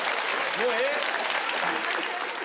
もうええ。